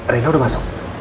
rena udah masuk